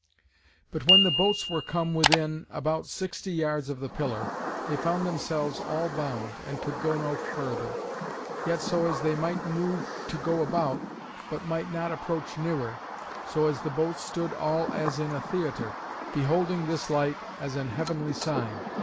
But when the boats were come within (about) sixty yards of the pillar, they found themselves all bound, and could go no further; yet so as they might move to go about, but might not approach nearer: so as the boats stood all as in a theatre, beholding this light as an heavenly sign.